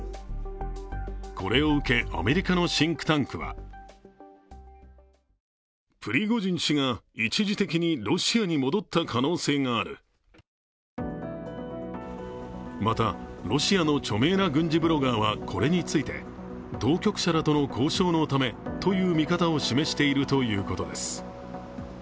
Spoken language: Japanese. これを受け、アメリカのシンクタンクはまたロシアの著名な軍事ブロガーはこれを受けて、当局者らとの交渉のためという見方を示しているということです。